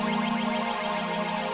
udah benyot lu